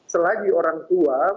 selagi orang tua